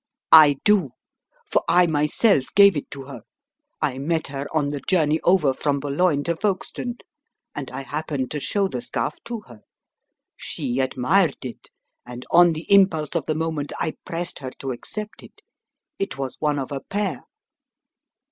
"I do. For I myself gave it to her. I met her on the journey over from Boulogne to Folkestone, and I happened to show the scarf to her. She admired it, and on the impulse of the moment I pressed her to accept it. It was one of a pair."